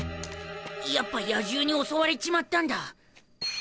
やっぱ野獣に襲われちまったんだ。